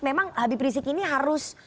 memang habib rizik ini harus